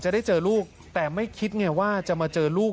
ได้เจอลูกแต่ไม่คิดไงว่าจะมาเจอลูก